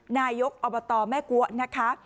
นายกอบตแม่กัวนะคะ